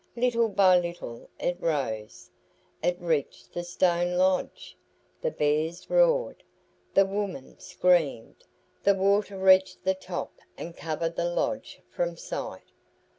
Little by little it rose. It reached the stone lodge. The bears roared. The woman screamed. The water reached the top and covered the lodge from sight.